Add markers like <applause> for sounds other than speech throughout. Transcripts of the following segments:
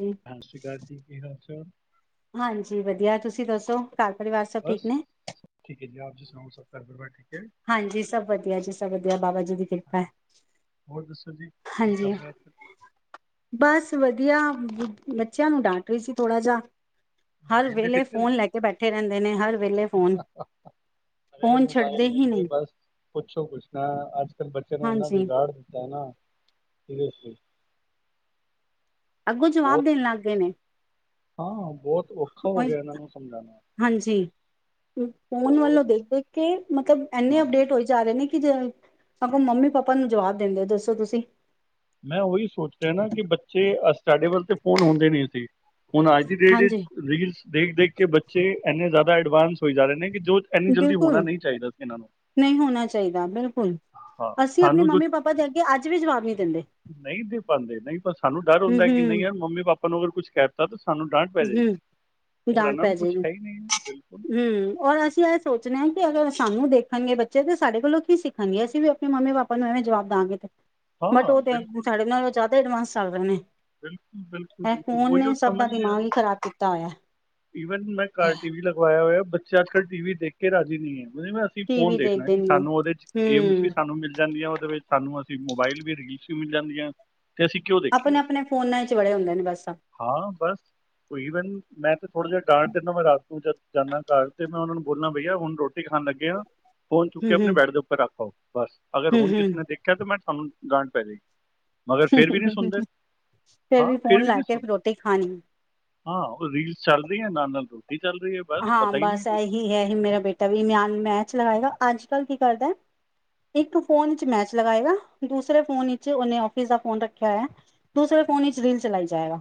ਜੀ ਹਾਂ ਸ਼ਿਕਾਇਤੀ ਕੀ ਹਸਰ ਜੀ ਵਧੀਆ ਤੁਸੀਂ ਦੱਸੋ ਘਰ ਪਰਿਵਾਰ ਸਭ ਠੀਕ ਬਸ ਨੇ ਠੀਕ ਹੈ ਜੀ ਆਪ ਜੀ ਸੁਣਾਓ ਸ ਠੀ ਹਾਂਜੀ ਸਭ ਵਧੀਆ ਜੀ ਸਭ ਵਧੀਆ ਬਾਬਾ ਜੀ ਦੀ ਕਿਰਪਾ ਹੈ ਹੋਰ ਦੱਸੋ ਜੀ ਕੀ ਹਾਂਜੀ ਕਰ ਰਹੇ ਅੱਜ ਬਸ ਬਸ ਵਧੀਆ ਬੱਚਿਆਂ ਨੂੰ ਡਾਂਟ ਰਹੀ ਸੀ ਥੋੜਾ ਜਾ। ਮੋਬਾਈਲ ਦੇ ਚ ਨੇ ਹਰ ਵੇਲੇ ਫੋਨ ਅਰੇ ਫੋਨ ਛੱਡਦੇ ਮੋਬਾਇਲ ਨੇ ਹੀ ਤੇ ਨਹੀਂ ਬਸ ਪੁੱਛੋ ਪੁੱਛ ਨਾ ਅੱਜ ਕੱਲ ਬੱਚੇ ਨੂੰ ਇਨਾ ਹਾਂਜੀ ਵਿਗਾੜ ਦਿੱਤਾ ਨਾ <inaudible> ਅੱਗੋਂ ਜਵਾਬ ਬਹੁਤ ਦੇਣ ਲੱਗ ਗਏ ਨੇ ਹਾਂ ਬਹੁਤ ਔਖਾ ਹੋ ਗਿਆ ਇਹਨਾਂ ਨੂੰ ਸਮਝਾਉਣਾ ਹਾਂਜੀ ਫੋਨ ਉਹ ਵੱਲੋਂ ਦੇਖ ਦੇਖ ਕੇ ਮਤਲਬ ਇੰਨੇ ਹਾਂ ਅਪਡੇਟ ਹੋਏ ਜਾ ਰਹੇ ਨੇ ਸਗ ਮੰਮੀ ਪਾਪਾ ਨੂੰ ਜਵਾਬ ਦਿੰਦੇ ਹੋ ਦੱਸੋ ਤੁਸੀਂ ਮੈਂ ਉਹੀ ਸੋਚ ਰਿਹਾ ਨਾ ਕਿ ਬੱਚੇ ਸਾਡੇ ਵੱਲ ਤੇ ਫੋਨ ਹੁੰਦੇ ਨ ਅ ਸੀਂ ਹੁਣ ਆ ਦੀ ਡਟ ਹਾਂਜੀ ਦੇਖ ਦੇਖ ਕੇ ਬੱਚੇ ਇੰਨੇ ਜ਼ਿਆਦਾ ਐਡਵਾਂਸ ਹੋਈ ਜਾ ਰਹੇ ਨੇ ਕਿ ਜੋ ਇੰਨੀ ਜਲਦੀ ਹੋਣਾ ਬਿਲਕੁਲ ਨਹੀਂ ਚਾਹੀਦਾ ਸੀ ਇਹਨਾਂ ਨੂੰ ਨਹੀਂ ਹੋਣਾ ਚਾਹੀਦਾ ਬਿਲਕੁਲ ਹਾਂ ਅਸੀਂ ਆਪਣੀ ਸਾਨੂੰ ਜੋ ਮੰਮੀ ਪਾਪਾ ਦੇ ਅਗੇ ਅੱਜ ਵੀ ਜਵਾਬ ਨਹੀਂ ਦਿੰਦੇ ਨਹੀਂ ਦੇ ਪਾਉਂਦੇ ਨਹੀਂ ਪਰ ਸਾਨੂੰ ਡਰ ਹੁੰਦਾ ਕਿ ਨਹੀਂ ਯਾਰ ਮੰਮੀ ਪਾਪਾ ਆਪਾਂ ਨੂੰ ਅਗਰ ਕੁਛ ਕਰਤਾ ਹਮ ਡਾਂਟ ਨੂੰ ਪੈ ਕੁਝ ਜਾੇਗੀ ਹੈ ਹੀ ਨਹੀਂ ਬਿਲਕੁਲ ਹਮ ਔਰ ਅਸੀਂ ਇਹ ਸੋਚਣੇ ਹਾਂ ਕਿ ਅਗਰ ਸਾਨੂੰ ਦੇਖਣਗੇ ਬੱਚੇ ਤੇ ਸਾਡੇ ਕੋਲੋਂ ਕੀ ਸਿੱਣਗੇ ਅਸੀਂ ਵੀ ਆਪਣੇ ਮੰਮੀ ਪਾਪਾ ਨੂੰ ਐਵੇਂ ਜਵਾਬ ਦਵਾਂਗੇ ਤੇ ਬੱਟ, ਹਾਂ ਉਹ ਤੇ ਬਿਲਕੁਲ ਸਾਡੇ ਨਾਲ ਜ਼ਿਆਦਾ ਐਡਵਾਂਸ ਚੱਲ ਰਹੇ ਨੇ। ਬਿਲਕੁਲ, ਬਿਲਕੁਲ, ਇਹ ਬਿਲਕੁ। ਫੋਨ ਉਹੀ ਨੇ ਉਹ ਸਭ ਦਾ ਸਮਝ। ਦਿਮਾਗ ਹੀ ਖ਼ਰਾਬ ਕੀਤਾ ਹੋਇਆ। ਵਨ, ਮੈਂ ਕਾਰਟੀ ਵੀ ਲਗਵਾਇਆ ਹੋਇਆ। ਬੱਚੇ ਅੱਜ ਕੱਲ੍ਹ ਟੀ ਵੀ ਦੇਖ ਕੇ ਰਾਜ਼ੀ ਨਹੀਂ ਹੈ ਮੈਂ ਜਿਵੇਂ ਅਸੀਂ ਟੀ ਫੋਨ ਵੀ ਦੇਖਣਾ ਦੇਖਦੇ ਜੀ, ਨੇ ਸਾਨੂੰ ਉਹਦੇ 'ਚ ਗੇਮਸ ਵੀ ਹੂੰ ਮਿਲ ਜਾਂਦੀਆਂ। ਉਹਦੇ ਵਿੱਚ ਸਾਨੂੰ ਅਸੀਂ ਮੋਬਾਇਲ ਵੀ ਰਸੂ ਮਿਲ ਜਾਂਦੀਆਂ। ਅਤੇ ਅਸੀਂ ਕਿਉਂ ਦੇਖੀਏ? ਆਪਣੇ ਫੋਨਾਂ 'ਚ ਬੜੇ ਹੁੰਦੇ ਨੇ, ਬਸ। ਹਾਂ ਬਸ ਈਵਨ ਮੈਂ ਤੇ ਥੋੜਾ ਜਿਹਾ ਡਾਂਟ ਦਿੰਦਾ, ਮੈਂ ਰਾਤ। ਜਾਂਦਾ ਘਰ, ਤੇ ਮੈਂ ਉਹਨਾਂ ਨੂੰ ਬੋਲਣਾ, ਬਈਆ ਹੁਣ ਰੋਟੀ ਖਾਣ ਲੱਗੇ ਆ। ਫੋਨ ਚੁੱਕ ਕੇ ਆਪਣੇ ਹੂੰ-ਹੂੰ-ਹੂੰ-ਹੂੰ ਬੈਡ ਦੇ ਉੱਪਰ ਰੱਖ ਆਓ। ਬਸ, ਅਗਰ ਹੁਣ ਕਿਸੇ ਨੇ ਦੇਖਿਆ ਤਾਂ ਮੈਂ ਹਮ ਗਾਂਟ ਪਹਿਰੇ। ਮਗਰ ਫੇਰ ਵੀ ਨਹੀਂ ਸੁਣਦੇ। ਫੇਿਰ ਹਾਂ ਵੀ ਫੋਨ ਫਿਰ ਲਾ ਨਹੀਂ ਕੇ ਸੁਣਦੇ ਰੋਟੀ ਖਾਣੀ। ਹਾਂ, ਉਹ ਰੀਲਸ ਚੱਲ ਰਹੀ ਹੈ ਨਾਲ ਨਾਲ ਰ। ਹਾਂ, ਬਸ ਇਹੀ ਹੈ, ਮੇਰਾ ਬੇਟਾ ਵੀ ਈਮਾਨ ਮੈਚ ਲਗਾਏਗਾ। ਅੱਜ ਕੱਲ੍ਹ ਕੀ ਕਰਦਾ, ਇੱਕ ਫੋਨ ਵਿੱਚ ਮੈਚ ਲਗਾਏਗਾ, ਦੂਸਰੇ ਫੋਨ ਵਿੱਚ ਉਹਨੇ ਆਫਿਸ ਦਾ ਫੋਨ ਰੱਖਿਆ ਹੋਇਆ। ਦੂਸਰੇ ਹਾਂ ਫੋਨ ਵਿੱਚ ਰੀਲ ਚਲਾਈ ਜਾਏਗਾ,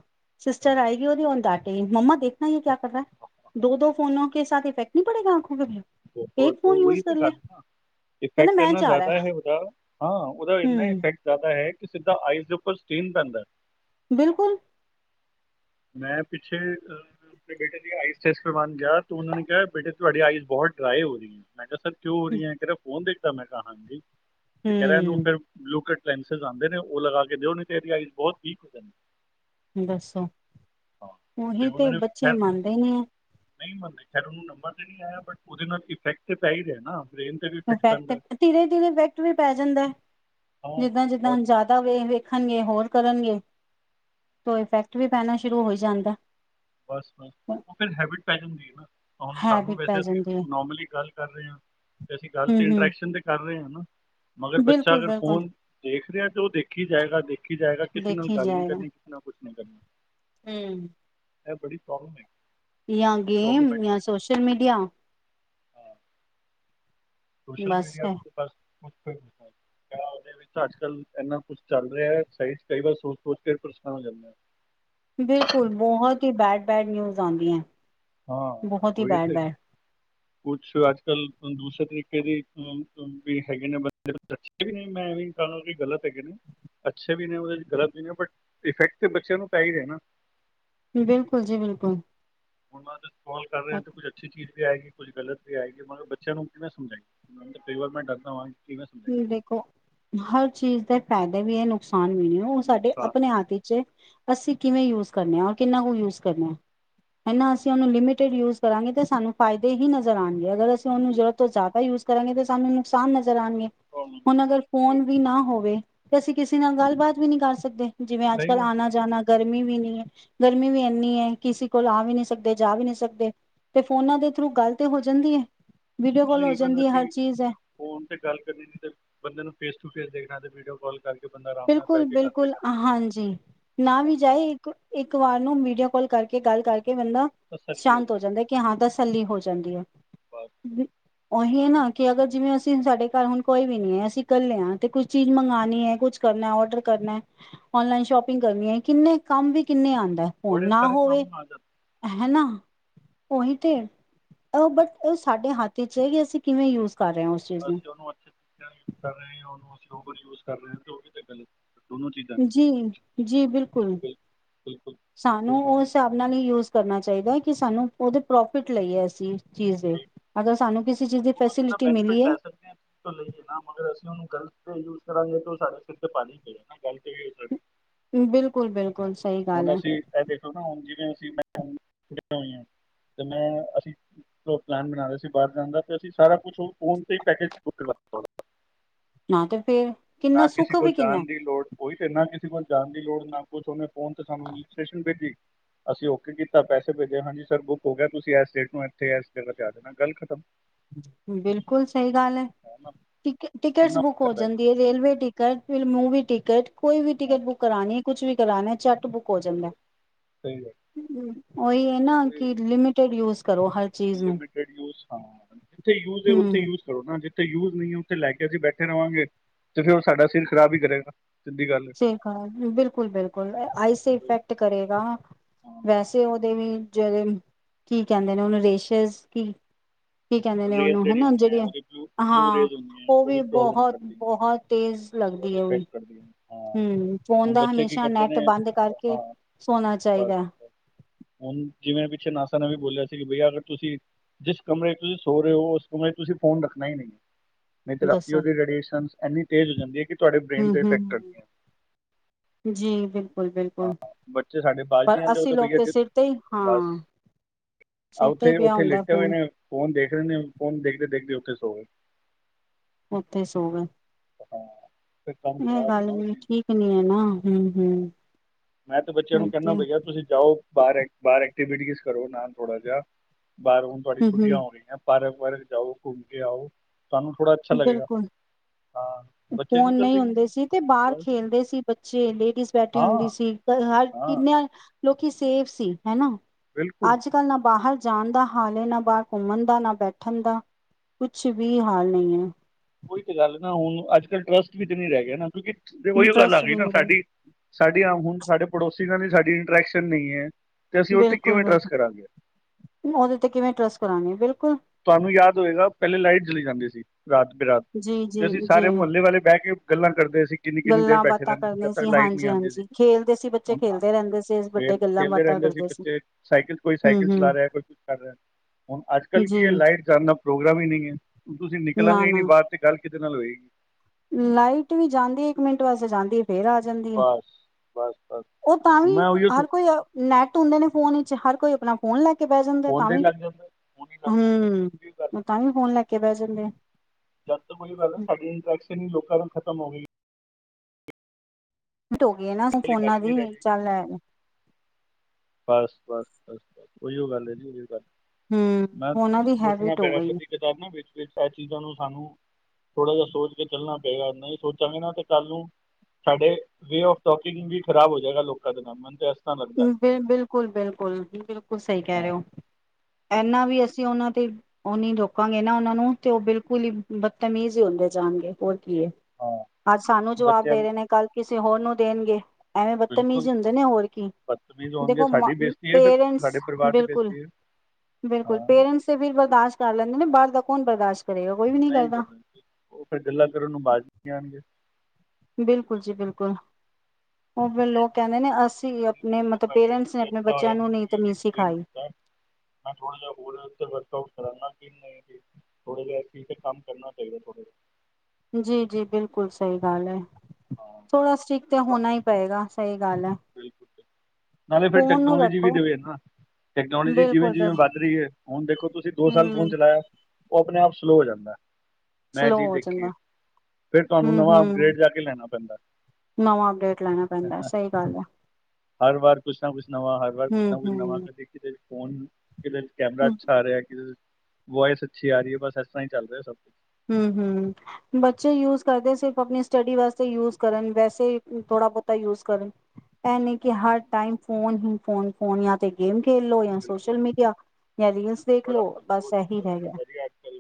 ਹਾਂ, ਸਿਸਟਰ ਆਏਗੀ ਉਹਦੀ ਉਹਨੂੰ ਡਾਂ ਤੇ ਮੰਮਾ ਦੇਖ ਨਾ ਯੇਹ ਹਾਂ, ਕਿਆ ਕਰ ਰਹਾ? ਦੋ ਫੋਨੋ ਕੇ ਸਾਥ, ਇਫੈਕਟ ਨਹੀਂ ਪੜੇਗਾ ਆਂਖੋ ਪੇ? ਹੋ ਹੋ, ਉਹੀ ਤੇ ਗੱਲ ਹੈ ਨਾ,, ਕਹਿੰਦਾ ਇਫੈਕਟ ਮੈਂ ਇੰਨਾ ਚਾਹ ਜ਼ਿਆਦਾ ਰਿਹਾ ਹੈ ਉਹਦਾ, ਹਾਂ ਉਹਦਾ ਹੂੰ ਇੰਨਾ ਇਫੈਕਟ ਜ਼ਿਆਦਾ ਹੈ। ਸਿੱਧਾ, ਆਈਸ ਦੇ ਉੱਪਰ ਸਟੇਨ ਪੈਂਦਾ। ਬਿਲਕੁਲ। ਮੈਂ, ਪਿੱਛੇ ਆਪਣੇ ਬੇਟੇ ਦੀ ਆਈਸ ਟੈਸਟ ਕਰਵਾਉਣ ਗਿਆ, ਤੇ ਉਹਨਾਂ ਨੇ ਕਿਹਾ, ਬੇਟੇ ਤੁਹਾਡੀ ਆਈਸ ਬਹੁਤ ਡਰਾਈ ਹੋ ਰਹੀ ਹੈ, ਮੈਂ ਕਿਹਾ ਸਰ ਚੋਰੀਆਂ, ਕਹਿੰਦਾ ਫੋਨ ਦੇਖਦਾ? ਤਾਂ, ਮੈਂ ਕਿਹਾ, ਹਾਂ ਜੀ। ਤੇ ਕਹਿ ਰਿਹਾ, ਇਹਨੂੰ ਹੂੰ ਫੇਰ ਬਲੂਕਟ ਲੈਨਸ ਆਉਂਦੇ ਨੇ ਉਹ ਲਗਾ ਕੇ ਦਿਓ, ਨਹੀਂ ਤੇ ਇਹਦੀ ਆਈਸ ਬਹੁਤ ਵੀਕ ਹੋ ਜਾਣੀ। ਬਸ। ਉਹੀ ਤੇ, ਉਹਨਾਂ ਨੇ ਬੱਚੇ ਖੈਰ ਮੰਨਦੇ ਨਹੀਂ ਹੈ। ਨਹੀਂ ਮੰਨਦੇ, ਖੈਰ ਉਹਨੂੰ ਨੰਬਰ ਤੇ ਨਹੀਂ ਆਇਆ ਬਟ ਉਹਦੇ ਨਾਲ ਇਫੈਕਟ ਤੇ ਪੈ ਹੀ ਰਿਹਾ ਨਾ। ਬ੍ਰੇਨ ਤੇ ਵੀ ਪੈਂਦਾ ਇਫੈਕਟ ਧੀਰੇ ਧੀਰੇ ਇਫੈਕਟ ਵੀ ਪੈ ਜਾਂਦਾ ਜਿੱਦਾਂ ਹਾਂ -ਜਿੱਦਾਂ ਜ਼ਿਆਦਾ ਵੇ ਵੇਖਣਗੇ ਹੋਰ। ਕਰਨਗੇ ਫਿਰ ਇਫੈਕਟ ਵੀ ਪੈਣਾ ਸ਼ੁਰੂ ਹੋ ਜਾਂਦਾ। ਬਸ- ਬਸ ਉਹ ਫਿਰ ਹੈਬਿਟ ਪੈ ਜਾਂਦੀ ਹੈ ਨਾ, ਹੁਣ ਸਾਨੂੰ ਹੈਬਿਟ ਪੈ ਵੈਸੇ ਅਸੀਂ ਜਾਂਦੀ ਹੈ ਨੋਰਮਲੀ ਗੱਲ ਕਰ ਰਹੇ ਹਾਂ। ਤੇ ਅਸੀਂ ਗੱਲ ਹੂੰ ਤੇ ਹੂੰ ਇੰਟਰੈਕਸ਼ਨ ਤੇ ਕਰ ਰਹੇ ਹਾਂ। ਨਾ ਮਗਰ ਬੱਚਾ ਅਗਰ ਫੋਨ ਦੇਖ ਰਿਹਾ <unintelligible> ਦੇਖੀ ਜਾਏਗਾ ਦੇਖੀ ਜਾਏਗਾ ਕਿਸੇ ਨਾਲ ਗੱਲ ਨੀ ਕਰਨੀ ਕਿਸੇ ਨਾਲ ਕੁਛ <unintelligible> ਹਮ। ਇਹ ਬੜੀ ਪ੍ਰੋਬਲਮ ਹੈਗੀ। ਜਾਂ ਗੇਮ ਜਾਂ ਸੋਸ਼ਲ ਮੀਡੀਆ। ਹਾਂ ਸੋਸ਼ਲ ਮੀਡੀਆ ਤੇ ਬਸ ਉਹਦੇ ਵਿੱਚ ਤਾਂ ਅੱਜ- ਕੱਲ ਇੰਨਾ ਕੁਛ ਚੱਲ ਰਿਹਾ ਕਈ ਵਾਰ ਸੋਚ ਸੋਚ ਕੇ ਪ੍ਰੇਸ਼ਾਨ ਹੋ ਜਾਂਦੇ। ਬਿਲਕੁਲ ਬਹੁਤ ਹੀ ਬੈਡ-ਬੈਡ ਨਿਊਜ਼ ਆਉਂਦੀਆਂ। ਹਾਂ ਬਹੁਤ ਹੀ ਉਹੀ ਬੈਡ ਤੇ ਬੈਡ ਕੁਛ ਅੱਜ- ਕੱਲ <unintelligible> ਇਸੇ ਤਰੀਕੇ ਦੇ ਵੀ ਹੈਗੇ ਨੇ ਬੱਚੇ, ਅੱਛੇ ਵੀ ਨੇ ਮੈਂ ਇਵੇਂ ਕਹਾਂ ਕਿ ਗ਼ਲਤ ਹੈਗੇ ਨੇ, ਅੱਛੇ ਵੀ ਨੇ ਉਹਦੇ ਚ ਗ਼ਲਤ ਵੀ ਨੇ ਬਟ ਇਫੈਕਟ ਤਾਂ ਬੱਚਿਆਂ ਨੂੰ ਪੈ ਹੀ ਰਿਹਾ ਨਾ। ਬਿਲਕੁਲ ਜੀ ਬਿਲਕੁਲ। ਉਹਨਾਂ ਦੇ ਕਾਲ ਕਰ ਰਹੇ ਹੋ ਤੇ ਕੁਛ ਅੱਛੀ ਚੀਜ਼ ਵੀ ਆਏਗੀ ਕੁੱਝ ਗਲਤ ਵੀ ਆਏਗੀ ਮਤਲਬ ਬੱਚਿਆਂ ਨੂੰ ਕਿਵੇਂ ਸਮਝਾਈਏ, ਕਈ ਵਾਰ ਮੈਂ ਡਰਨਾ ਵਾਂ ਤੁ ਦੇਖੋ ਹਰ ਚੀਜ਼ ਦੇ ਫਾਇਦੇ <unintelligible> ਖਾਣ ਵੀ, ਉਹ ਸਾਡੇ ਨੁਕਸਾਨ ਆਪਣੇ ਹੱਥ ਵਿਚ ਐ, ਅਸੀਂ ਕਿਵੇਂ ਯੂਜ ਕਰਨੇ ਆਂ ਕਿੰਨਾ ਕੁ ਯੂਜ਼ ਕਰਨੇ ਆਂ, ਏਨਾ ਅਸੀਂ ਉਨੂੰ ਲਿਮਿਟਿਡ ਯੂਜ਼ ਕਰਾਂਗੇ, ਤੇ ਸਾਨੂੰ ਫਾਇਦੇ ਹੀ ਨਜ਼ਰ ਆਗੇ ਆਣਗੇ, ਅਗਰ ਸਾਂਨੂੰ ਜਰੂਰਤ ਤੋਂ ਜ਼ਿਆਦਾ ਯੂਜ਼ ਕਰਾਂਗੇ ਤੇ ਸਾਨੂੰ ਨੁਕਸਾਨ ਨਜ਼ਰ ਆਉਣਗੇ ਪ੍ਰੋਬਲਮ ਹੁਣ ਅਗਰ ਫੋਨ ਵੀ ਨਾ ਹੋਵੇ ਤੇ ਅਸੀਂ ਕਿਸੇ ਨਾਲ ਗੱਲਬਾਤ ਵੀ ਨਹੀਂ ਕਰ ਸਕਦੇ ਜਿਵੇਂ ਅੱਜ ਸਹੀ ਕੱਲ੍ਹ ਗੱਲ ਆਣਾ ਜਾਣਾ ਗਰਮੀ ਵੀ ਨਹੀਂ ਹੈ ਗਰਮੀ ਵੀ ਇੰਨੀ ਹੈ ਕਿਸੇ ਕੋਲ ਆ ਵੀ ਨਹੀਂ ਸਕਦੇ ਜਾ ਵੀ ਨਹੀਂ ਸਕਦੇ ਤੇ ਫੋਨਾਂ ਦੇ ਥਰੂ ਗੱਲ ਤੇ ਹੋ ਜਾਂਦੀ ਹੈ ਵੀਡੀਓ ਹਾਂ ਕਾਲ ਹੋ ਜਾਂਦੀ ਹੈ ਹਰ ਚੀਜ਼ ਹੈ ਕਰਨ ਤੇ ਬੰਦੇ ਨੂੰ ਫੇਸ ਟੂ ਫੇਸ ਦੇਖਣਾ ਤੇ ਵੀਡੀਓ ਕਾਲ ਕਰਕੇ ਬੰਦਾ ਆਰਾਮ ਨਾਲ ਬਿਲਕੁਲ ਬੈਠ ਕੇ ਗੱਲ ਤੇ ਬਿਲਕੁਲ ਕਰ ਹਾਂਜੀ ਨਾ ਵੀ ਸਕਦਾ ਜਾਏ ਇੱਕ ਇੱਕ ਵਾਰ ਨੂੰ ਮੀਡੀਆ ਕੋਲ ਕਰਕੇ ਗੱਲ ਕਰਕੇ ਕਿ ਬੰਦਾ ਤਸੱਲੀ ਸ਼ਾਂਤ ਹੋ ਜਾਂਦੀ ਜਾਂਦਾ ਕਿ ਹਾਂ ਤਸੱਲੀ ਹੋ ਜਾਂਦੀਆਂ ਬਸ ਜ <inaudible> ਉਹੀ ਹੈ ਨਾ ਕਿ ਅਗਰ ਜਿਵੇਂ ਅਸੀਂ ਸਾਡੇ ਘਰ ਹੁਣ ਕੋਈ ਵੀ ਨੀ ਹੈ ਅਸੀਂ ਇਕੱਲੇ ਹਾਂ ਤੇ ਕੁਛ ਚੀਜ਼ ਮੰਗਉਣੀ ਹੈ ਕੁਛ ਕਰਨਾ ਔਰਡਰ ਕਰਨਾ ਔਨਲਾਈਨ ਸ਼ੋਪਿੰਗ ਕਰਨੀ ਹੈ ਕਿੰਨੇ ਕੰਮ ਵੀ ਕਿੰਨੇ ਆਉਦੇ ਹੁਣ ਬੜੇ ਨਾ ਸਾਰੇ ਹੋਵੇ, ਕੰਮ ਆ ਜਾਂਦੇ ਹੈ ਨਾ ਉਹੀ ਤੇ ਉਹ ਬਟ ਸਾਡੇ ਹੱਥ ਚ ਹੈਗੇ ਅਸੀਂ ਕਿਵੇਂ ਯੂਜ ਕਰ ਰਹੇ ਹਾਂ ਉਸ ਚੀਜ਼ ਅਸੀਂ ਉਹਨੂੰ ਅੱਛੇ ਤਰੀਕੇ ਨਾਲ ਕਰ ਰਹੇ ਹਾਂ ਉਹਨੂੰ ਅਸੀਂ ਜੋ ਕੁਛ ਯੂਜ਼ ਕਰ ਰਹੇ ਹਾਂ ਤੇ ਔ ਵੀ ਤੇ ਗੱਲ ਹੈ ਦੋਨੋਂ ਚੀਜ਼ਾਂ ਨੇ ਜੀ ਜੀ ਬਿਲਕੁਲ ਬਿਲ- ਬਿਲਕੁਲ ਸਾਨੂੰ ਸਹੀ ਗੱਲ ਉਸ ਹੈ ਹਿਸਾਬ ਨਾਲ ਹੀ ਯੂਜ ਕਰਨਾ ਚਾਹੀਦਾ ਕਿ ਸਾਨੂੰ ਉਹਦੇ ਪ੍ਰੋਫਿਟ ਲਈ ਹੈ ਇਸਸੀ ਚੀਜ਼ ਦੇ ਬਿਲਕੁਲ ਅਗਰ ਸਾਨੂੰ ਕਿਸ ਉਹਨੂੰ ਜਿੰਨਾ ਬੈਨੀਫਿਟ ਲੈ ਸਕਦੇ ਹਾਂ ਤੋਂ ਲਈਏ ਨਾ ਮਗਰ ਅਸੀਂ ਉਹਨੂੰ ਗਲ ਯੂਜ ਕਰਾਂਗੇ ਤੇ ਉਹ ਸਡਾ ਸਿਰ ਤੇ ਪਾਣੀ ਪਏਗਾ ਨਾ ਗੱਲਤ ਵੀ ਹੋਾਰੀ ਬਿਲਕੁਲ ਬਿਲਕੁਲ ਸਹੀ ਗੱਲ ਹੈ ਟਿਕਟਾਂ ਤੇ ਲੀਤੀ ਹੋਈ ਹੈਂ, ਤੇ ਮੈਂ ਅਸੀਂ ਪਲੈਨ ਬਣਾ ਰਹੇ ਸੀ ਬਾਹਰ ਜਾਣ ਦਾ ਅਸੀਂ ਸਾਰਾ ਕੁਛ ਫੋਨ ਤੇ ਹੀ ਪੈਕੇਜ ਬੁੱਕ ਕਰਾ ਲਿਆ ਨਾ ਤੇ ਫੇਰ ਕਿੰਨਾ ਨਾ ਕਿਸੇ ਸੁੱਖ ਕੋਲ ਵੀ ਕਿੰਨਾ ਜਾਣ ਦੀ ਲੋੜ ਉਈ ਤੇ ਨਾ ਕਿਸੇ ਕੋਲ ਜਾਣ ਦੀ ਲੋੜ ਨਾ ਕੁੱਛ ਉਹਨੇ ਫੋਨ ਤੇ ਸਾਨੂੰ ਵੀ ਲੁਕੇਸ਼ਨ ਭੇਜੀੇ। ਅਸੀਂ ਓਕੇ ਕੀਤਾ ਪੈਸੇ ਭੇਜੇ ਹਾਂਜੀ ਸਰ ਬੁੱਕ ਹੋ ਗਿਆ ਤੁਸੀਂ ਇਸ ਡੇਟ ਇਥੇੇ ਤੇ ਆ ਜਾਣਾ ਗੱਲ ਖਤਮ। ਬਿਲਕੁਲ ਸਹੀ ਗੱਲ ਐ, ਹੈ ਨਾ ਟਿਕਟਸ ਕਿੰਨਾ ਬੁੱਕ ਹੋ ਪਤਾ ਹੈ ਜਾਂਦੀ ਏ। ਰੇਲਵੇ ਟਿਕਟ ਫਿਰ ਮੂਵੀ ਟਿਕਟ। ਕੋਈ ਵੀ ਹਾਂ ਟਿਕਟ ਬੁੱਕ ਕਰਾਣੀ ਕੁੱਛ ਵੀ ਕਰਾਣੇ ਝੱਟ ਬੁੱਕ ਹੋ ਸਹੀ ਜਾਂਦਾ। ਗੱਲ ਸਹੀ ਗੱਲ ਉਹੀ ਐ ਨਾ ਕਿ ਲਿਮਿਟਡ ਯੂਜ ਕਰੋ ਹਰ ਚੀਜ਼ ਨੂੰ ਲਿਮਟੇਡ ਯੂਜ ਹਾਂ। ਜਿੱਥੇ ਯੂਜ ਹੈ ਉੱਥੇ ਹਮ ਯੂਜ ਕਰੋ ਨਾ। ਜਿੱਥੇ ਯੂਜ ਨਹੀਂ ਉੱਥੇ ਲੈ ਕੇ ਅਸੀਂ ਬੈਠੇ ਰਵਾਂਗੇ, ਤੇ ਫੇਰ ਉਹ ਸਾਡਾ ਸਰੀਰ ਖਰਾਬ ਹੀ ਕਰੇਗਾ। ਗੱਲ ਠੀਕ ਐ ਬਿਲਕੁਲ ਬਿਲਕੁਲ ਆਈ ਸੇ ਹੈ ਇਫੈਕਟ ਕਰੇਗਾ ਹਾਂ ਵੈਸੇ ਉਹਦੇ ਵੀ ਜਿਹੜੇ ਕੀ ਕਹਿੰਦੇ ਨੇ ਉਹਨੂੰ ਰੇਸ਼ਜ਼ ਕੀ ਕੀ ਕਹਿੰਦੇ ਨੇ ਰੇਜ਼ ਉਹਨੂੰ ਹਨਾ ਜਿਹੜੀ, ਹੁੰਦੀਆਂ ਉਹਦੇ ਬਲੂ ਬਲੂ ਹਾਂ ਰੇਜ਼ ਹੁੰਦੀਆਂ ਉਹ ਵੀ ਪ੍ਰੋਬਲਮ ਬਹੁਤ ਕਰਦੀਆਂ ਬਹੁਤ ਤੇਜ਼ ਬਹੁਤ ਲੱਗਦੀ ਹੈ ਉਹ ਵੀ। ਇਫੈਕਟ ਕਰਦੀਆਂ ਹਾਂ ਹੂੰ ਫੋਨ ਹੁਣ ਦਾ ਬੱਚੇ ਕੀ ਹਮੇਸ਼ਾ ਕਰਦੇ ਨੈਟ ਨੇ ਬੰਦ ਕਰਕੇ ਹਾਂ ਸੋਣਾ ਚਾਹੀਦਾ। ਬਸ <unintelligible> ਪਿੱਛੇ ਨਾਸਾ ਨੇ ਵੀ ਬੋਲਿਆ ਸੀ ਕਿ ਬਈ ਅਗਰ ਤੁਸੀਂ, ਜਿਸ ਕਮਰੇ ਚ ਤੁਸੀਂ ਸੋ ਰਹੇ ਹੋ ਉਸ ਕਮਰੇ ਚ ਤੁਸੀਂ ਫੋਨ ਰੱਖਣਾ ਹੀ ਨੀ। ਨਹੀਂ ਫਿਰ ਅਪੇ ਦੱਸੋ ਉਹਦੀ ਰੇਡੀਏਸ਼ਨ ਇੰਨੀ ਤੇਜ਼ ਹੋ ਜਾਂਦੀ ਹੈ ਕਿ ਤੁਹਾਡੇ ਬ੍ਰੇਨ ਹਮ 'ਤੇ ਇਫੈਕਟ ਹਮ ਕਰਦੀਆਂ। ਜੀ ਹਾਂ ਬਿਲਕੁਲ-ਬਿਲਕੁਲ ਬੱਚੇ ਸਾਡੇ <unintelligible> ਪਰ ਨਹੀਂ ਜਾਂਦੇ ਉਹ ਅਸੀਂ ਤਾਂ ਬਈ ਲੋਕ ਤੇ <unintelligible> ਸਿਰ ਤੇ ਹੀ ਬਸ ਹਾਂ ਸਿਰ ਤੇ ਹੀ ਉੱਥੇ ਪਿਆ ਉੱਥੇ ਹੁੰਦਾ ਲੇਟੇ ਹੋਏ ਫੋਨ ਨੇ, ਫੋਨ ਦੇਖ ਰਹੇ ਨੇ ਫੋਨ ਦੇਖਦੇ-ਦੇਖਦੇ <unintelligible> ਉਥੇ ਸੋ ਗਏ। ਫਿਰ ਕੰਮ ਇਹ ਖਰਾਬ ਹੈ ਗੱਲ ਨਾ ਉਸ ਵੀ ਚੀਜ਼ ਠੀਕ ਨੀ ਐ ਨਾ ਹੂੰ ਦਾ। ਹੂੰ। ਮੈਂ ਤੇ ਬੱਚਿਆਂ ਨੂੰ ਕਹਿਨਾ ਬਈਆ ਤੁਸੀਂ ਜਾਓ। ਬਾਹਰ ਬਾਹਰ ਐਕਟੀਵਿਟੀ <unintelligible> ਕਰੋ ਨਾਮ ਥੋੜਾ ਜਾ। ਬਾਹਰ ਹੁਣ ਤੁਹਾਡੀ ਛੁੱਟੀਆਂ ਹੋ ਹੂੰ-ਹੂੰ ਰਹੀਆਂ ਪਰ ਬਾਹਰ ਜਾਓ ਘੁੰਮ ਕੇ ਆਓ। ਤੁਹਾਨੂੰ ਥੋੜਾ ਅੱਛਾ ਲੱਗੇਗਾ ਬਿਲਕੁਲ, ਹਾਂ ਬੱਚੇ ਫੋਨ ਨਹੀਂ ਨਿਕਲਦੇ ਹੀ ਹੁੰਦੇ ਸੀ ਤੇ ਬਾਹਰ ਬਸ ਖੇਲਦੇ ਸੀ ਬੱਚੇ ਲੇਡੀਜ ਬੈਠ ਠੇ ਹੁੰਦੀ ਹਾਂ ਸੀ ਹਰ ਹਾਂ ਕਿੰਨੇ ਲੋਕੀ ਸੇਫ ਸੀ। ਹੈ ਨਾ, ਬਿਲਕੁਲ ਅੱਜ ਕੱਲ ਨਾ ਬਾਹਰ ਜਾਣ ਦਾ ਹਾਲ ਏ ਨਾ ਬਾਹਰ ਘੁੰਮਣ ਦਾ ਨਾ ਬੈਠਣ ਦਾ ਕੁਛ ਵੀ ਹਾਲ ਨਹੀਂ ਐ। <inaudible> ਕੋਈ ਗੱਲ ਨਾ ਉਹਨੂੰ ਅੱਜਕਲ ਟਰਸਟ ਵਿੱਚ ਨਹੀਂ ਰਹਿ ਗਿਆ ਕਿਉਂਕਿ ਤੇ ਉਹੀ ਗੱਲ ਆ ਇੰਟਰਸਟ ਗਈ ਵੀ ਨਾ ਨਹੀਂ ਰਹੇ ਸਾਡੀ ਹੁਣ ਸਾਡੇ ਪੜੋਸੀ ਨਾਲ ਦੀ ਸਾਡੀ ਇੰਟਰੈਕਸ਼ਨ ਨਹੀਂ ਹੈ ਤੇ ਅਸੀਂ ਉਹ ਤੇ ਬਿਲਕੁਲ ਕਿਵੇਂ ਟਰਸਟ ਕਰਾਂਗੇ ਬਿਲਕੁਲ ਉਹਦੇ ਤੇ ਕਿਵੇਂ ਟਰਸਟ ਕਰਾਉਣੀ ਹੈ ਬਿਲਕੁਲ ਤੁਹਾਨੂੰ ਯਾਦ ਹੋਵੇਗਾ ਪਹਿਲੇ ਲਾਈਟ ਜਲੀ ਜਾਂਦੀ ਸੀ ਰਾਤ ਬ ਰਾਤ ਤੇ ਅਸੀਂ ਸਾਰੇ ਜੀ-ਜੀ-ਜੀ ਮੁਹੱਲੇ ਵਾਲੇ ਬਹਿ ਕੇ ਗੱਲਾਂ ਕਰਦੇ ਕਿੰਨੀ ਕਿੰਨੀ ਦੇਰ ਗੱਲਾਂ ਬੈਠੇ ਬਾਤਾਂ ਰਹਿੰਦੇ ਜਦ ਕਰਨੀਆਂ ਤੱਕ ਸੀ ਲਾਈਟ ਨਹੀਂ ਹਾਂਜੀ ਆਉਂਦੇ ਸੀ ਹਾਂਜੀ ਖੇਲਦੇ ਸੀ ਬੱਚੇ ਹੁਣ ਖੇਲਦੇ ਰਹਿੰਦੇ ਸੀ ਫੇਰ ਵੱਡੇ ਗੱਲਾਂ ਕਹਿੰਦੇ ਬਾਤਾਂ ਰਹਿੰਦੇ ਸੀ ਕਰਦੇ ਬੱਚੇ ਸਾਈਕਲ ਕੋਈ ਹੂੰ ਸਾਈਕਲ ਚਲਾ ਹੂੰ ਰਿਹਾ ਕੋਈ ਕੁਛ ਕਰ ਰਿਹਾ ਹੁਣ ਜੀ ਲਾਈਵ ਕਰਨ ਪ੍ਰੋਗਰਾਮ ਹੀ ਨਹੀਂ ਹ ਤੁਸੀਂ ਨਾ ਨਿਕਲਾਂਗੇ ਨਹੀਂ ਨਾ ਬਾਹਰ ਤੇ ਗਲਤ ਕਿਤੇ ਨਾਲ ਹੋਏਗੀ ਲਾਈਟ ਵੀ ਜਾਂਦੀ ਇੱਕ ਮਿੰਟ ਵਾਸਤੇ ਜਾਂਦੀ ਹੈ ਇਹਦਾ ਆ ਜਾਂਦੀ ਹ ਬਸ ਬਸ ਬਸ ਉਹ ਤਾਂ ਵੀ ਮੈਂ ਉਹੀਓ ਹਰ ਸੋਚ ਕੋਈ ਲੈਟ ਹੁੰਦੇ ਨੇ ਫੋਨ ਵਿੱਚ ਹਰ ਕੋਈ ਆਪਣਾ ਫੋਨ ਲੈ ਬਹਿ ਜਾਂਦੇ ਫੋਨ ਤਾਂ ਤੇ ਹੀ ਵੀ ਲੱਗ ਜਾਂਦਾ ਫੋਨ ਹੀ ਲੱਗ ਜਾਂਦਾ ਮੈਂ ਤਾਂ ਹੀ ਫੋਨ ਲੈ ਕੇ ਬ ਜਾਂੱਲਦੇ ਜਾਦ ਤੋਂ ਕੋਈ ਗੱਲ ਸਾਡੀ ਇੰਟਰੈਸਟ ਚੰਨੀ ਲੋਕਾਂ ਨੂੰ ਖਤਮ ਹੋ ਗਈ ਹਟ ਹੋ ਗਈ ਨਾ ਵਾਲੀ ਗੱਲ ਫੋਨਾ ਹੀ ਦੀ ਨਹੀਂ ਰਹਿ ਗਈ ਚੱਲੈ ਬਸ ਬਸ ਬਸ ਬਸ ਉਓਹੀਓ ਗੱਲ ਹੈ ਜੀ ਉਹੀ ਗੱਲ ਹੂੰ ਮੈਂ ਫੋਨਾਂ ਦੀ ਸੋਚਣਾ ਹੈਬਿਟ ਹੋ ਪਿਆ ਗਈ ਕਦੀ ਕਤਾ ਨਾ ਵਿੱਚ ਇਹ ਚੀਜ਼ਾਂ ਨੂੰ ਸਾਨੂੰ ਥੋੜਾ ਜਿਹਾ ਸੋਚ ਕੇ ਚੱਲਣਾ ਪਏਗਾ ਨਹੀਂ ਸੋਚਾਂਗੇ ਨਾ ਤੇ ਕੱਲ ਨੂੰ ਸਾਡੇ ਵੇਫ ਸਟੋਕਿੰਗ ਵੀ ਖਰਾਬ ਹੋ ਜਾਏਗਾ ਲੋਕਾਂ ਦੇ ਨਨ ਤੇ ਬਿਲ ਬਿਲਕੁਲ ਬਿਲਕੁਲ ਬਿਲਕੁਲ ਸਹੀ ਕਹਿ ਹਾਂ ਰਹੇ ਹੋ ਬਿਲ- ਇਨਾ ਵੀ ਅਸੀਂ ਉਹਨਾਂ ਤੇ ਉਹ ਨ ਰੋਕਾਂਗੇ ਨਾ ਉਹਨਾਂ ਨੂੰ ਤੇ ਉਹ ਬਿਲਕੁਲ ਹੀ ਬਦਤਮੀਜ਼ ਹੀ ਹੁੰਦੇ ਜਾਣਗੇ ਹੋ ਕੀ ਹਾਂ ਅੱਜ ਸਾਨੂੰ ਜਵਾਬ ਬੱਚੇ ਦੇ ਰਹੇ ਨੇ ਕੱਲ ਕਿ ਸਿਹਰ ਨੂੰ ਦੇਣਗੇ ਐਵੇਂ ਬਦਤਮੀਜ਼ ਬਿਲਕੁਲ ਹੁੰਦੇ ਨੇ ਹੋਰ ਕੀ ਬਦਤਮੀਜ਼ ਹੋਣਗੇ ਦੇਖੋ ਸਾਡੀ ਬੇਇੱਜ਼ਤੀ ਹੈ ਫਿਰ ਪੇਰੈਂਟਸ ਸਾਡੇ ਪਰਿਵਾਰ ਦੀ ਬਿਲਕੁਲ ਬੇਇੱਜ਼ਤੀ ਹੈ ਬਿਲਕੁਲ ਹਾਂ ਪੇਰੈਂਟਸ ਤੇ ਫਿਰ ਬਰਦਾਸ਼ਤ ਕਰ ਲ ਕਦੇ ਨੇ ਬਾਹਰ ਦਾ ਕੌਣ ਬਰਦਾਸ਼ਤ ਕਰੇਗਾ ਕੋਈ ਵੀ ਨਹੀਂ ਕਰਦਾ ਕਰਨਾ ਉਹ ਫਿਰ ਗੱਲਾਂ ਕਰਨ ਨੂੰ ਬਾਜ਼ ਨਹੀਂ ਆਣਗੇ ਬਿਲਕੁਲ ਜੀ ਬਿਲਕੁਲ ਉਹ ਫ ਮੈਂ ਲੋਕ ਕਹਿੰਦੇ ਨੇ ਦੇਖੋ ਅਸੀਂ ਬੜੀ ਆਪਣੇ ਮਤਲਬ ਪੇਰੈਂਟਸ ਨੇ ਆਪਣੇ ਬੱਚਿਆਂ ਹੋਇਆ ਨੂੰ ਨਹੀਂ ਤਮੀਜ਼ ਮੈਨ ਸਿਖਾਈ ਕੀਤਾ ਮੈਂ ਥੋੜਾ ਜਾ ਹੋਰ ਵਰਟ ਕਰਾਂਗਾ ਥੋੜੇ ਜਿਹਾਸੀਂ ਕੰਮ ਕਰਨਾ ਚਾਹੀਦਾ ਥੋੜੇ ਜਿਹਾ ਜੀ ਜੀ ਬਿਲਕੁਲ ਸਹੀ ਗੱਲ ਹੈ ਹਾਂ ਥੋੜਾ ਸਟ੍ਰਿਕ ਤੇ ਬ- ਹੋਣਾ ਹੀ ਪਏਗਾ ਸਹੀ ਗੱਲ ਹੈ ਬਿਲਕੁਲ ਨਾਲੇ ਫੇਿਰ ਫੋਨ ਨੂੰ ਟੈਕਨੋਲੋਜੀ ਵੀ ਰੱਖੋ ਦੇਵੇ ਨਾ ਟੈਕਨੋਲੋਜੀ ਜਿਵੇਂ ਬਿਲਕੁਲ ਜਿਵੇਂ ਵੱਧ ਰਹੀ ਹੈ ਹੁਣ ਦੇਖੋ ਤੁਸੀਂ ਦੋ ਸਾਲ ਫੋਨ ਹਮ ਚਲਾਇਆ ਉਹ ਆਪਣੇ ਆਪ ਸਲੋਅ ਹੋ ਜਾਂਦਾ ਮੈਂ ਸਲੋ ਜੀ ਹੋ ਜਾਂਦਾ ਦੇਖੀਏ ਫਿਰ ਤੁਹਾਨੂੰ ਹਮ ਨਵਾਂ ਹਮ ਅਪਗ੍ਰੇਡ ਜਾ ਕੇ ਲੈਣਾ ਪੈਂਦਾ ਨਵਾਂ ਅਪਡੇਟ ਲੈਣਾ ਪੈਂਦਾ ਹੈ। ਸਹੀ ਗੱਲ ਹੈ ਹਰ ਵਾਰ ਕੁਛ ਨਾ ਕੁਛ ਨਵਾਂ ਹਰ ਵਾਰ ਕੁਛ ਹਮ ਨਾ ਕੁਛ ਨਮ ਹਮ ਕੇ ਦੇਖ ਫੋਨ ਕਿਤੇ ਕੈਮਰਾ ਅੱਛਾ ਆ ਰਿਹਾ ਕਿਤੇ ਵੋਇਸ ਅੱਛੀ ਆ ਰਹੀ ਹੈ ਬਸ ਇਸ ਤਰ੍ਹਾਂ ਹੀ ਚੱਲ ਰਿਹਾ ਸਭ ਕੁਛ ਹ ਹ ਬੱਚੇ ਯੂਜ ਕਰਦੇ ਸਿਰ ਆਪਣੀ ਸਟੱਡੀ ਵਾਸਤੇ ਯੂਜ ਕਰਨ ਵੈਸੇ ਥੋੜ੍ਹਾ ਬਹੁਤਾ ਯੂਜ ਕਰਨ ਇਹ ਨਹੀਂ ਕਿ ਹਾਂ ਹਰ ਟਾਈਮ ਫੋਨ ਹੀ ਫੋਨ ਫੋਣੀਆਂ ਤੇ ਗੇਮ ਖੇਲੋ ਜਾਂ ਬਿਲਕੁਲ ਸੋਸ਼ਲ ਮੀਡੀਆ ਜਾਂ ਰੀਲਸ ਦੇਖ ਲੋ ਬਸ ਇਹ ਠੀ ਰਹਿ ਗਿਆ ਖੀ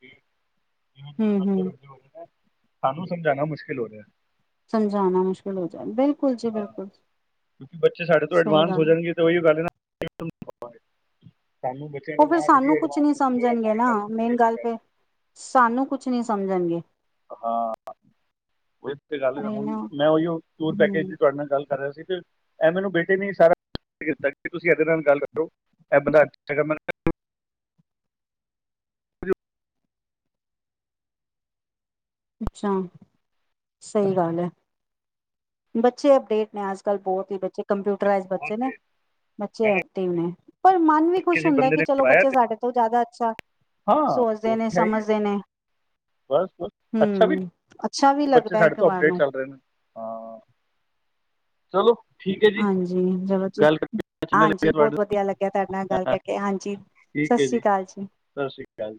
ਜਿਵੇਂ ਜਿਂ ਹਮ ਬੱਚੇ ਹਮ ਬੱਚੇ ਬੋਲਦੇ ਸਾਨੂੰ ਸਮਝਾਣਾ ਮੁਸ਼ਕਿਲ ਹੋ ਰਿਹਾ ਸਮਝਾਉਣਾ ਮੁਸ਼ਕਿਲ ਹੋ ਜਾਏ ਬਿਲਕੁਲ ਜੀ ਹਾਂ ਬਿਲਕੁ ਜ ਕਿਉਂਕਿ ਬੱਚੇ ਸਾਡੇ ਤੋਂ ਐਡਵਾਂਸ ਹੋ ਜਾਣਗੇ ਤੇ ਉਹੀ ਗੱਲ <inaudible> ਬੱਚਿਆਂ ਦੇ ਉਹ ਫਿਰ ਨਾਲ ਇਹਦੀ ਸਾਨੂੰ ਕੁਛ ਐਡਵਾਂਸ ਨੀ ਹੋਣਾ ਚਾਹੀਦਾ ਤਾਂ ਸਮਝਣਗੇ ਹੀ ਨਾ ਗੱਲ ਵਧੇਗੀ ਮੇਨ ਅੱਗੇ ਗੱਲ ਜਾ ਕੇ ਫਿਰ ਸਾਨੂੰ ਕੁਛ ਕੁਛ ਨਹੀਂ ਸਮਝਣਗੇ ਹਾਂ ਉਹੀ ਗੱਲ ਹੈ ਅਰੇ ਹੁਣ ਨਾ ਮੈਂ ਉਹੀ ਟੂਰ ਪੈਕੇਜ ਹਮ ਦੀ ਤੁਹਾਡੇ ਨਾਲ ਗੱਲ ਕਰ ਰਿਹਾ ਸੀ ਇਹ ਮੈਨੂੰ ਬੇਟੇ ਨੇ ਸਾਰਾ ਕੀਤਾ ਤੁਸੀਂ ਇਹਦੇ ਨਾਲ ਗੱਲ ਕਰੋ ਇਹ ਬੰਦਾ ਹੈਗਾ ਅੱਛਾ ਸਹੀ ਗੱਲ ਹੈ ਬੱਚੇ ਅਪਡੇਟ ਨੇ ਅੱਜ ਕੱਲ੍ਹ ਬਹੁਤ ਹੀ ਬੱਚੇ ਕੰਪਿਊ ਬ ਬਹੁਤ ਨੇ ਤੇਜ਼ ਬੱਚੇ ਮੈਂ ਐਕਟਿਵ ਨੇ ਪਰ ਮਨ ਵੀ ਕਿਹਾ ਖੁਸ਼ ਕਿਸੇ ਹੁੰਦਾ ਬੰਦੇ ਕਿ ਨੇ ਚਲੋ ਕਰਾਇਆ ਬੱਚੇ ਤੇ ਸਾਡੇ ਤੋਂ ਜ਼ਿਆਦਾ ਅੱਛਾ ਹਾਂ ਸੋਚਦੇ ਉਹ ਨੇ ਤਾਂ ਹੈ ਹੀ ਹੈ। ਸਮਝਦੇ ਨੇ ਬਸ ਬਸ। ਅੱਛਾ ਵੀ, ਹਮ ਅੱਛਾ ਵੀ ਬੱਚੇ ਲੱਗਦਾ ਸਾਡੇ ਇੱਕ ਤੋਂ ਵਾਰ ਅਪਡੇਟ ਨੂੰ ਚੱਲ ਰਹੇ ਨੇ। ਹਾਂ। ਚਲੋ। ਠੀਕ ਹੈ ਜੀ ਹਾਂਜੀ ਜਲੋ ਜੀ। ਗੱਲ ਕਰਕੇ ਅੱਛਾ ਹਾਂਜੀ ਲੱਗਿਆ ਤੁਹਾਡੇ ਬਹੁਤ ਵਧੀਆ ਲੱਗਿਆ ਤਾਡੇ ਨਾਲ ਗੱਲ ਕਰਕੇ। ਹਾਂਜੀ, ਸਤਿ ਠੀਕ ਹੈ ਸ੍ਰੀ ਕਾਲ ਜੀ। ਸਤਿ ਸ਼੍ਰੀ ਅਕਾਲ